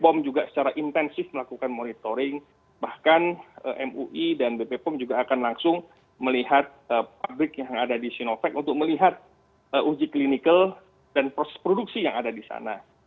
pom juga secara intensif melakukan monitoring bahkan mui dan bp pom juga akan langsung melihat pabrik yang ada di sinovac untuk melihat uji klinical dan proses produksi yang ada di sana